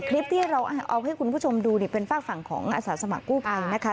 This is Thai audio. คลิปที่เราเอาให้คุณผู้ชมดูเป็นฝากฝั่งของอาสาสมัครกู้ภัยนะคะ